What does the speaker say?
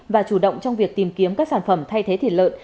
và chủ động trong việc tìm kiếm các sản phẩm thay thế thịt lợn